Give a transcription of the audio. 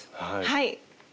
はい。